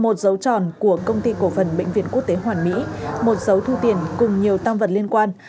một dấu tròn của công ty cổ phần bệnh viện quốc tế hoàn mỹ một dấu thu tiền cùng nhiều tam vật liên quan